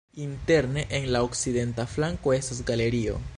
Interne en la okcidenta flanko estas galerio.